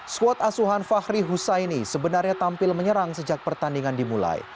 skuad asuhan fahri husaini sebenarnya tampil menyerang sejak pertandingan dimulai